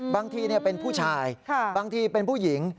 บางทีเป็นผู้ชายบางทีเป็นผู้หญิง